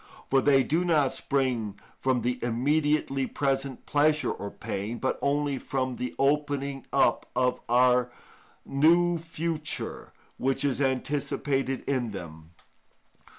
For they do not spring from the immediately present pleasure or pain, but only from the opening up of a new future which is anticipated in them.